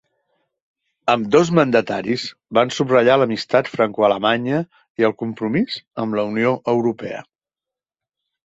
Ambdós mandataris van subratllar l'amistat francoalemanya i el compromís amb la Unió Europea.